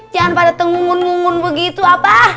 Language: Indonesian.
jangan pada tengungun mungun begitu apa